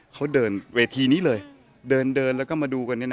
เขาเดินเวทีนี้เลยเดินแล้วก็มาดูกัน